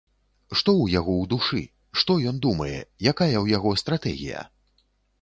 Што ў яго ў душы, што ён думае, якая ў яго стратэгія?